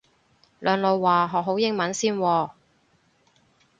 兩老話學好英文先喎